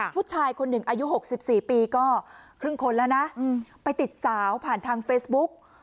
ผู้ชายคนหนึ่งอายุ๖๔ปีก็ครึ่งคนแล้วนะไปติดสาวผ่านทางเฟซบุ๊ก